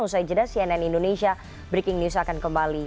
usai jeda cnn indonesia breaking news akan kembali